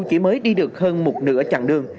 chỉ mới đi được hơn một nửa chặng đường